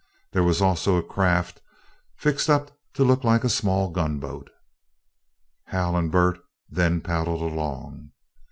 There was also a craft fixed up to look like a small gunboat. Hal and Bert then paddled along.